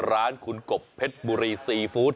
ร้านคุณกบเพชรบุรีซีฟู้ด